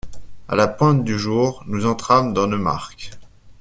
À la pointe du jour, nous entrâmes dans Neumark.